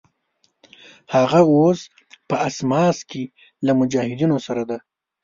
هغه اوس په اسماس کې له مجاهدینو سره دی.